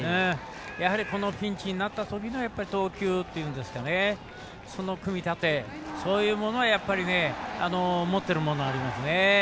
このピンチになったときの投球といいますかその組み立て、そういうものはもっているものがありますね。